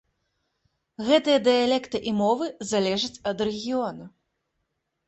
Гэтыя дыялекты і мовы залежаць ад рэгіёну.